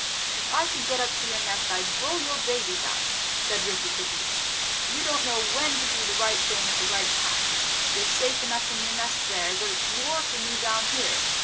"If I could get up to your nest, I'd roll your babies out!" said Rikki tikki. "You don't know when to do the right thing at the right time. You're safe enough in your nest there, but it's war for me down here.